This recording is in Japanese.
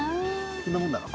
こんなもんだろ。